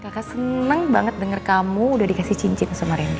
kakak seneng banget denger kamu udah dikasih cincin sama randy